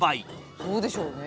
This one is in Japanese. そうでしょうね。